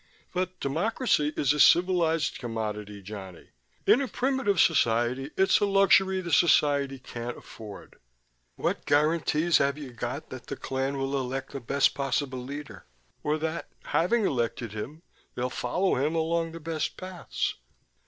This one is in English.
"But democracy is a civilized commodity, Johnny in a primitive society it's a luxury the society can't afford. What guarantees have you got that the clan will elect the best possible leader? Or that, having elected him, they'll follow him along the best paths?"